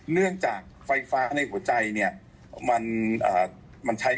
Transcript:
เนื่องจากไฟฟ้าในหัวใจ